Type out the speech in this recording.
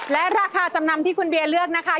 และราคาจำนำที่คุณเบียเลือกนะคะ